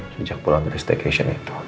sejak pulang dari staycation itu